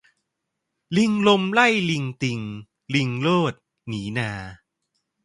ลิงลมไล่ลมติง ลิงโลด หนีนา